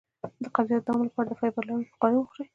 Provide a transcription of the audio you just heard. د قبضیت د دوام لپاره فایبر لرونکي خواړه وخورئ